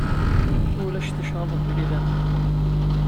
Ulac ticraḍ mebla idammen.